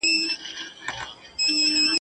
تاوېدم لکه پېچک له ارغوانه !.